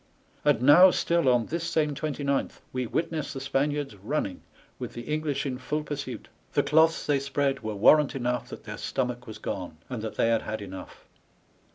And now still on this same 29th we witness the Spaniards running, with the English in full pursuit. The cloths they spread were warrant enough that their stomach was gone, and that they had had enough.